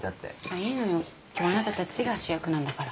いいのよ今日はあなたたちが主役なんだから。